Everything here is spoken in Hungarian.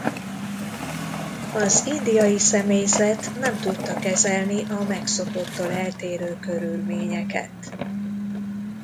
Az indiai személyzet nem tudta kezelni a megszokottól eltérő körülményeket.